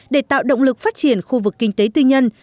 để tạo động lực phát triển khu vực kinh tế tư nhân